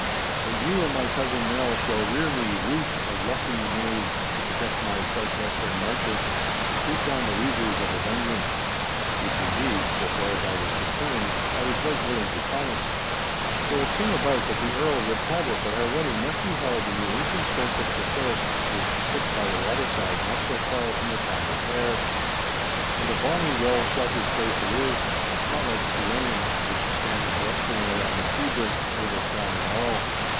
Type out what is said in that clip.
And you and my cousin Nell shall rear me routh of lusty knaves to protect my south western marches, and keep down the reivers of the Dungeon!' Which, indeed (so far as I was concerned), I was right willing to promise. So it came about that the Earl would have it that our wedding must be held in the ancient strength of Cassillis, which sits by the waterside not so far from the town of Ayr. And a bonny, well sheltered place it is—not like Culzean, which stands blusteringly on the seabrink, over frowning all.